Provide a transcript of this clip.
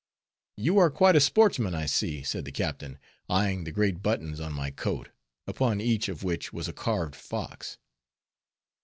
"You are quite a sportsman I see," said the captain, eying the great buttons on my coat, upon each of which was a carved fox.